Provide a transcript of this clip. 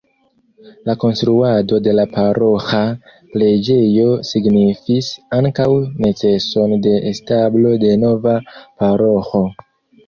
La konstruado de la paroĥa preĝejo signifis ankaŭ neceson de establo de nova paroĥo.